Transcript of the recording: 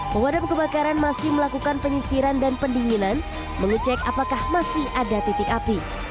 pemadam kebakaran masih melakukan penyisiran dan pendinginan mengecek apakah masih ada titik api